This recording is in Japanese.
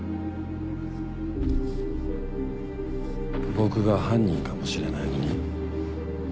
僕が犯人かもしれないのに？